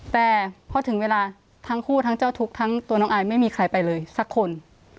แต่พอถึงเวลาทั้งคู่ทั้งเจ้าทุกข์ทั้งตัวน้องอายไม่มีใครไปเลยสักคน